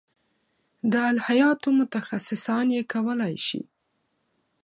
د الهیاتو متخصصان یې کولای شي.